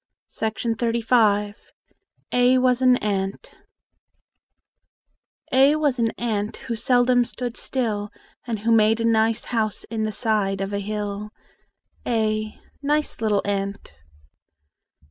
OLD CAROL A WAS AN ANT A was an ant Who seldom stood still, And who made a nice house In the side of a hill. a Nice little ant!